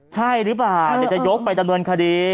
ใช่หรือเปล่าเดี๋ยวจะยกไปดำเนินคดี